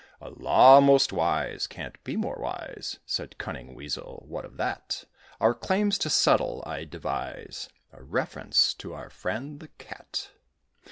"A law most wise! can't be more wise!" Said cunning Weasel. "What of that? Our claims to settle, I devise A reference to our friend the Cat."